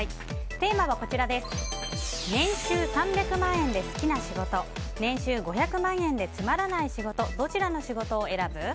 テーマは年収３００万円で好きな仕事年収５００万円でつまらない仕事どちらの仕事を選ぶ？